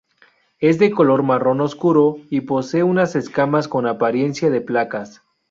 Es de color marrón oscuro y posee unas escamas con apariencia de placas.